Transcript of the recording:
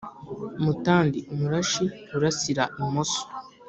mutandi: umurashi urasira imoso